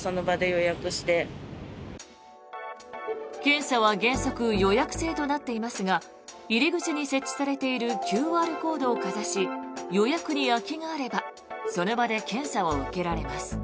検査は原則、予約制となっていますが入り口に設置されているＱＲコードをかざし予約に空きがあればその場で検査を受けられます。